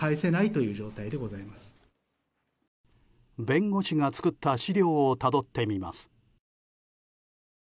弁護士が作った資料をたどってみます。